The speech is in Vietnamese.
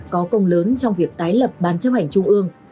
có công lớn trong việc tái lập ban chấp hành trung ương